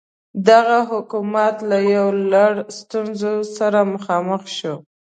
دغه حکومت له یو لړ ستونزو سره مخامخ شو.